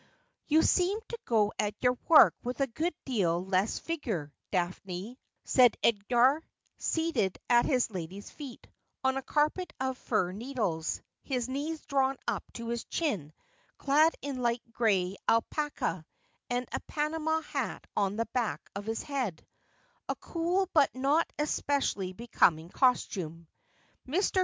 ' You seem to go at your work with a good deal less vigour, Daphne,' said Edgar, seated at his lady's feet, on a carpet of fir needles, his knees drawn up to his chin, clad in light gray alpaca, and a Panama hat on the back of his head — a cool but not es pecially becoming costume. Mr.